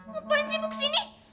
ngapain sibuk sini